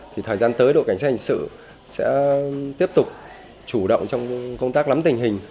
thì thời gian tới đội cảnh sát hành sự sẽ tiếp tục chủ động trong công tác lắm tình hình